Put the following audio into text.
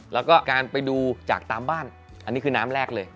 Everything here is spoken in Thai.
แล้วก็การไปดูจากตามบ้านอันนี้คือน้ำแรกเลย